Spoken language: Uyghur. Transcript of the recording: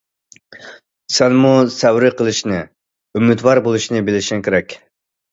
سەنمۇ سەۋرى قىلىشنى، ئۈمىدۋار بولۇشنى بىلىشىڭ كېرەك.